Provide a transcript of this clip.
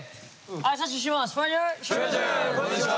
挨拶します。